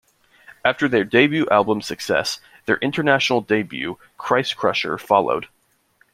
After their debut album's success, their international debut, "Christcrusher", followed.